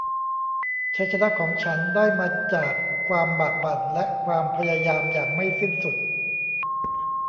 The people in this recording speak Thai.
ชัยชนะของฉันได้มาจากความบากบั่นและความพยายามอย่างไม่สิ้นสุด